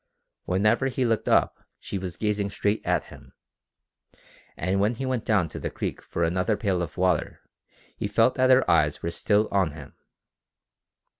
Whenever he looked up she was gazing straight at him, and when he went down to the creek for another pail of water he felt that her eyes were still on him.